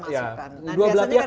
ya dua belah tiap lah sama